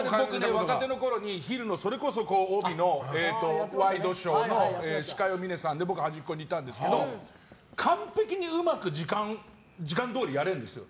若手のころに昼の帯のワイドショーの司会を峰さんで僕は端っこにいたんですけど完璧にうまく時間どおりやれるんですよ。